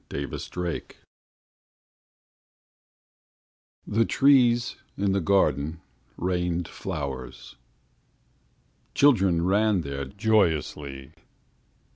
XXVI The trees in the garden rained flowers. Children ran there joyously.